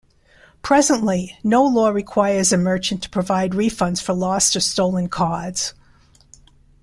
Presently, no law requires a merchant to provide refunds for lost or stolen cards.